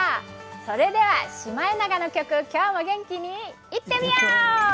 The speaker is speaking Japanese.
それではシマエナガの曲、今日も元気にいってみよう！